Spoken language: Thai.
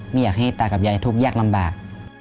ไม่อยากให้ตากับยายทุกข์ยากลำบาก